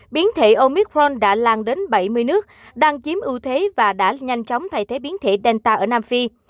biến thể omicron đã lan đến bảy mươi nước đang chiếm ưu thế và đã nhanh chóng thay thế biến thể delta ở nam phi